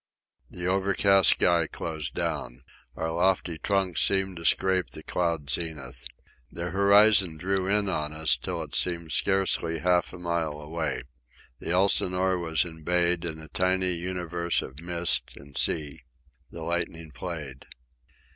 The overcast sky closed down. Our lofty trucks seemed to scrape the cloud zenith. The horizon drew in on us till it seemed scarcely half a mile away. The Elsinore was embayed in a tiny universe of mist and sea. The lightning played.